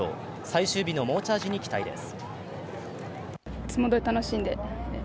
最終日の網チャージに期待です。